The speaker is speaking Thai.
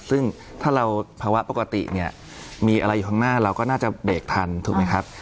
ซึ่งถ้าเราภาวะปกติเนี่ยมีอะไรอยู่ข้างหน้าเราก็น่าจะเบรกทันถูกไหมครับ